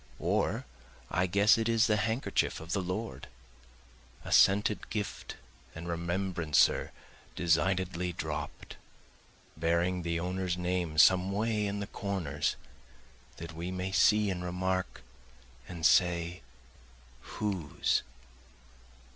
Or I guess it is the handkerchief of the Lord, A scented gift and remembrancer designedly dropt, Bearing the owner's name someway in the corners, that we may see and remark, and say Whose?